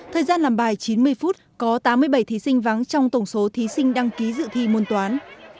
thời gian làm bài chín mươi phút có tám mươi bảy thí sinh vắng trong tổng số thí sinh đăng ký dự thi môn toán